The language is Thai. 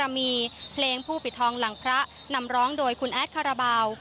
มีเพลงผู้ปิดทองหลังพระนำร้องโดยคุณแอดคาราบาล